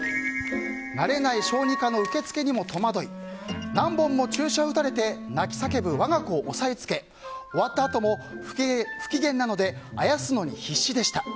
慣れない小児科の受付にも戸惑い何本も注射を打たれて泣き叫ぶ我が子を押さえつけ終わったあとも不機嫌なのであやすのに必死でした。